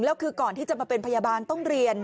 แล้วคือก่อนที่จะมาเป็นพยาบาลต้องเรียน